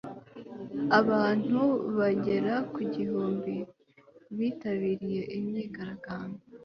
abantu bagera ku gihumbi bitabiriye imyigaragambyo